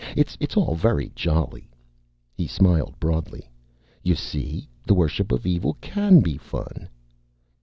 It's all very jolly." He smiled broadly. "You see, the worship of evil can be fun."